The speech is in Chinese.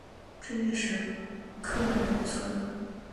这些石刻仍存。